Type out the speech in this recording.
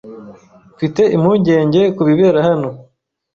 Mfite impungenge kubibera hano.